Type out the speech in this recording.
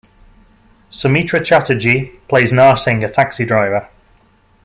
Soumitra Chatterjee plays Narsingh, a taxi driver.